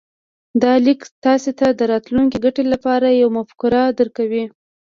دا ليک تاسې ته د راتلونکې ګټې لپاره يوه مفکوره درکوي.